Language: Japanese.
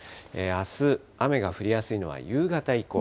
あす、雨が降りやすいのは夕方以降。